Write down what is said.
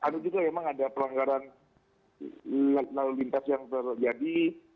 dan juga memang ada pelanggaran lintas yang terjadi